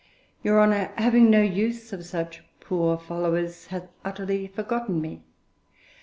Your Honour, having no use of such poor followers, hath utterly forgotten me.